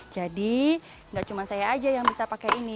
jadi enggak cuma saya aja yang bisa pakai ini